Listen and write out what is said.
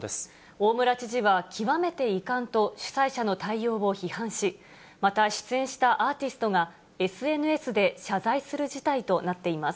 大村知事は、極めて遺憾と、主催者の対応を批判し、また、出演したアーティストがＳＮＳで謝罪する事態となっています。